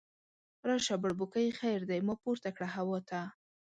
راشه بړبوکۍ خیر دی، ما پورته کړه هوا ته